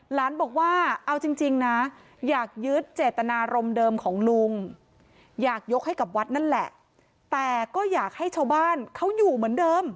หลานบอกว่าเอาจริงนะอยากยึดเจตนารมณ์เดิมของลุงอยากยกให้กับวัดนั่นแหละแต่ก็อยากให้ชาวบ้านเขาอยู่เหมือนเดิม